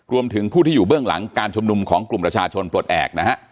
รวมถึงผู้ที่อยู่เบื้องหลังการชุมนุมของกลุ่มประชาชนปลดแอบนะฮะ